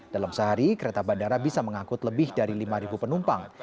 dalam sehari kereta bandara bisa mengangkut lebih dari lima penumpang